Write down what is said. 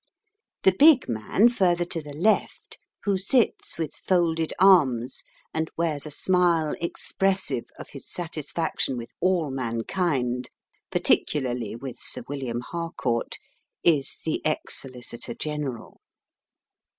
The big man further to the left, who sits with folded arms and wears a smile expressive of his satisfaction with all mankind, particularly with Sir William Harcourt, is the ex Solicitor General.